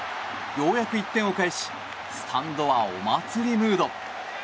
ようやく１点を返しスタンドはお祭りムード。